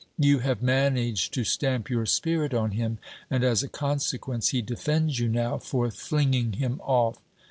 You have managed to stamp your spirit on him; and as a consequence, he defends you now, for flinging him off.